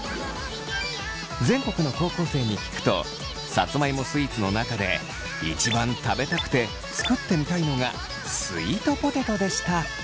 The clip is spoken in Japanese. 全国の高校生に聞くとさつまいもスイーツの中で一番食べたくて作ってみたいのがスイートポテトでした。